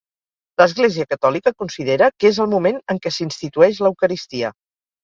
L'Església Catòlica considera que és el moment en què s'institueix l'Eucaristia.